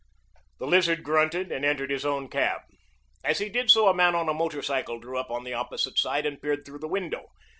The Lizard grunted and entered his own cab. As he did so a man on a motorcycle drew up on the opposite side and peered through the window.